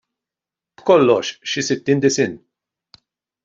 B'kollox, xi sittin disinn!